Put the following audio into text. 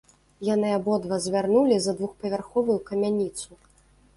Яны абодва звярнулі за двухпавярховую камяніцу.